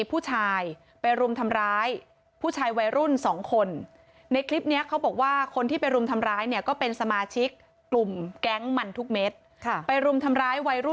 ผู้ชายไปรุมทำร้าย